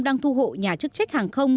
đang thu hộ nhà chức trách hàng không